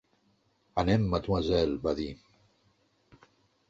'Anem, mademoiselle', va dir.